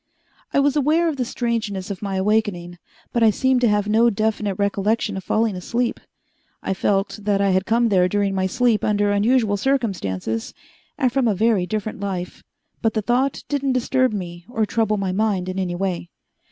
I was aware of the strangeness of my awakening, but I seemed to have no definite recollection of falling asleep. I felt that I had come there during my sleep under unusual circumstances and from a very different life, but the thought didn't disturb me or trouble my mind in any way.